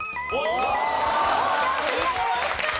東京クリアです。